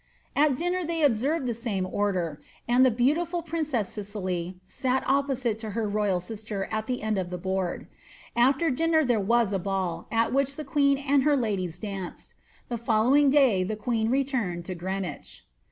Al diuaer they obaerveJ the same order, and the beautifbl (nnns* Cicely sat opposite to her royal sister at the end of the boardt i "er dinner there was a ball, at whidi the queen and her ladies dauce^ | t following day the queen relumed (o Greenwich.